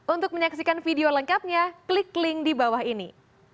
untuk menyaksikan video lengkapnya klik link di bawah ini